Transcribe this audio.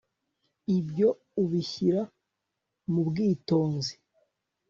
ibyo ubishyira mu bwitonzi